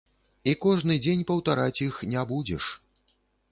І кожны дзень паўтараць іх не будзеш.